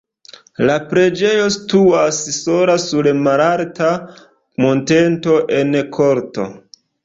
La preĝejo situas sola sur malalta monteto en korto.